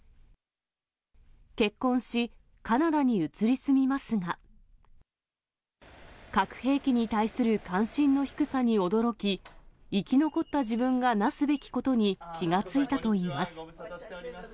結婚し、カナダに移り住みますが、核兵器に対する関心の低さに驚き、生き残った自分がなすべきことに気が付いたといいます。